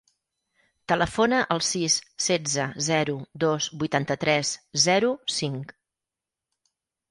Telefona al sis, setze, zero, dos, vuitanta-tres, zero, cinc.